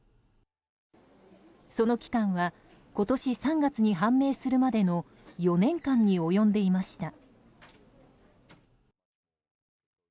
その期間は今年３月に判明するまでの４年間に及んでいました。